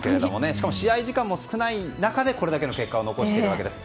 しかも試合時間も少ない中でこれだけの結果を残しているわけです。